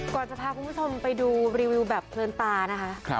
จะพาคุณผู้ชมไปดูรีวิวแบบเพลินตานะคะ